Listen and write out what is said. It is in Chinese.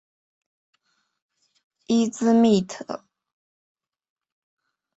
伊兹密特。